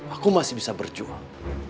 aku masih bisa berjuang